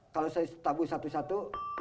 kalau saya tabu satu satu